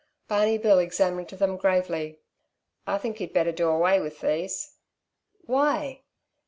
Barney Bill examined them gravely. "I think you'd better do away with these." "Why?"